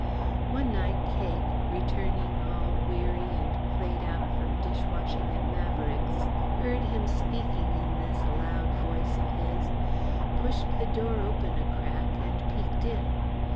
One night Cake, returning all weary and played out from dish washing at Maverick's, heard him speaking in this loud voice of his, pushed the door open a crack, and peeked in.